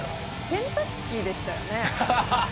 洗濯機でしたよね。